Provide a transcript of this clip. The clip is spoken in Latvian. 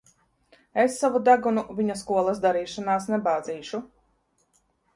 Es savu degunu viņa skolas darīšanās nebāzīšu.